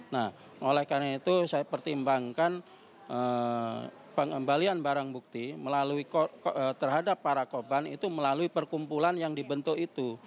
nah oleh karena itu saya pertimbangkan pengembalian barang bukti terhadap para korban itu melalui perkumpulan yang dibentuk itu